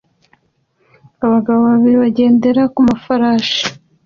Abagabo babiri bagendera ku mafarashi